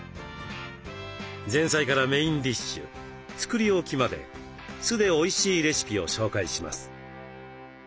前菜からメインディッシュ作り置きまで酢でおいしいレシピを紹介します。